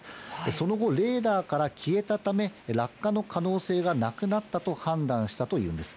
その後、レーダーから消えたため、落下の可能性がなくなったと判断したというんです。